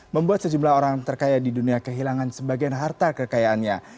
membuat sejumlah orang terkaya di dunia kehilangan sebagian harta kekayaannya